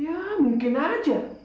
ya mungkin aja